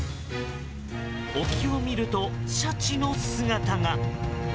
沖を見ると、シャチの姿が。